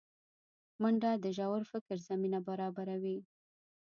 منډه د ژور فکر زمینه برابروي